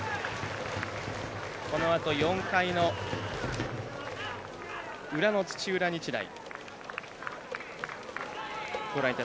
このあと、４回の裏の土浦日大。